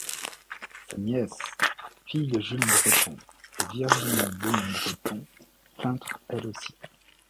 Sa nièce, fille de Jules Breton, est Virginie Demont-Breton, peintre elle aussi.